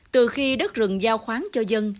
từ khi đất rừng giao khoáng cho dân